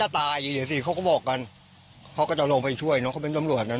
ตายเขาก็บอกกันเขาก็จะลงไปช่วยน้องก็เป็นตำรวจแล้ว